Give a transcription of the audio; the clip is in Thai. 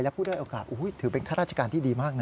ผู้ได้โอกาสถือเป็นข้าราชการที่ดีมากนะ